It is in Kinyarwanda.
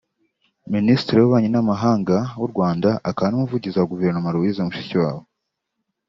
Minisitiri w’ububanyi n’ amahanga w’u Rwanda akaba n’umuvugizi wa guverinoma Louise Mushikiwabo